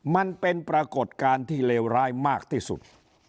มันเป็นปรากฏการณ์ที่เลวร้ายมากที่สุด